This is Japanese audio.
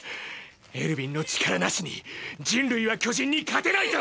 エルヴィンの力なしに人類は巨人に勝てないと！！